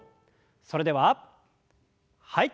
それでははい。